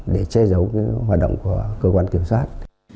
để che giấu hoạt động của cơ quan kiểm soát